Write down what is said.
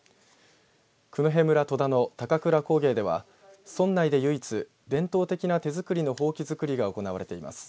九戸村戸田の高倉工芸では村内で唯一、伝統的な手作りのほうき作りが行われています。